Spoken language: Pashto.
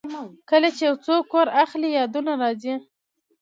کله چې یو څوک کور اخلي، یادونه راځي.